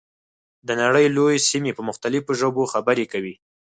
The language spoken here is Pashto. د نړۍ لویې سیمې په مختلفو ژبو خبرې کوي.